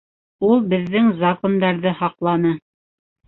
Ул беҙҙең Закондарҙы һаҡланы.